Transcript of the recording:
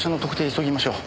急ぎましょう。